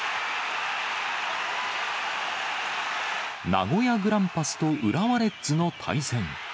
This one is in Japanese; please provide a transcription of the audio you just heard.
名古屋グランパスと浦和レッズの対戦。